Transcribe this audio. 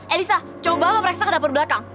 eh lisa coba lo periksa ke dapur belakang